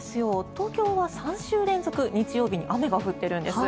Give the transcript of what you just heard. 東京は３週連続日曜日に雨が降っているんです。